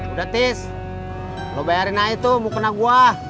udah tis lo bayarin aja tuh mukena gue